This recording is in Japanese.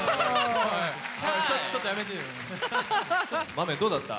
豆どうだった？